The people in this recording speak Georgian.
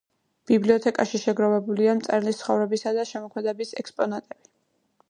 ბიბლიოთეკაში შეგროვილია მწერლის ცხოვრებისა და შემოქმედების ექსპონატები.